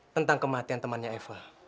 tentang kematian temannya ewa